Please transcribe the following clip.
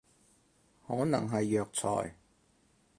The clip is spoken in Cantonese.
可能係藥材